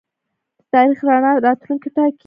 د تاریخ رڼا راتلونکی ټاکي.